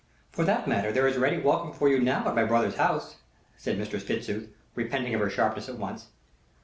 "For that matter, there is ready welcome for you now at my brother's house," said Mistress Fitzooth, repenting of her sharpness at once.